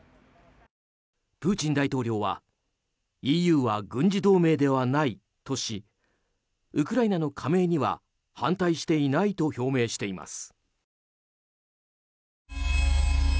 プーチン大統領はＥＵは軍事同盟ではないとしウクライナの加盟には反対していないと表明しています。